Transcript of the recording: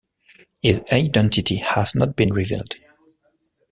His identity has not been revealed.